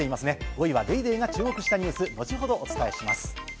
５位は『ＤａｙＤａｙ．』が注目したニュース、後ほどお伝えします。